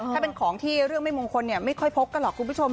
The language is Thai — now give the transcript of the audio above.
ถ้าเป็นของที่เรื่องไม่มงคลไม่ค่อยพกกันหรอกคุณผู้ชม